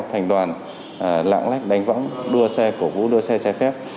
thành đoàn lặng lách đánh võng đua xe cổ vũ đua xe trái phép